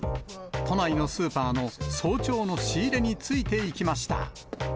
都内のスーパーの早朝の仕入れについていきました。